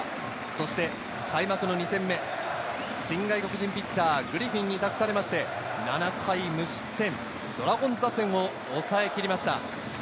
そして開幕の２戦目、新外国人ピッチャー、グリフィンに託されまして、７回無失点、ドラゴンズ打線を抑えきりました。